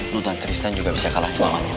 lo dan tristan juga bisa kalah